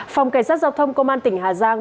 phòng cảnh sát giao thông công an tỉnh hà giang